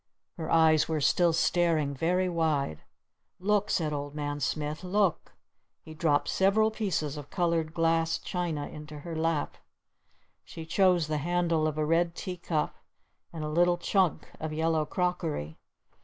Her eyes were still staring very wide. "Look!" said Old Man Smith. "Look!" He dropped several pieces of colored glass china into her lap. She chose the handle of a red tea cup and a little chunk of yellow crockery.